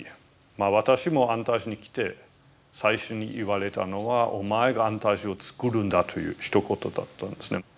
私も安泰寺に来て最初に言われたのは「お前が安泰寺を作るんだ」というひと言だったんですね。